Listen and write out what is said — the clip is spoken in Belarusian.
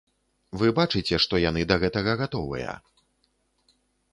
Вы бачыце, што яны да гэтага гатовыя.